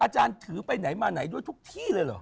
อาจารย์ถือไปไหนมาไหนด้วยทุกที่เลยเหรอ